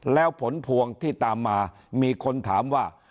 แล้วผลพวงที่ตามมามีคนถามว่า